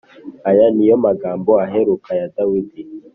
Aya ni yo magambo aheruka ya Dawidi